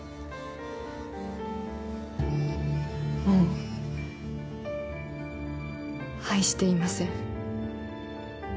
もう愛していません。